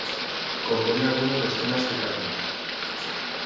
Compone algunos de los temas que canta.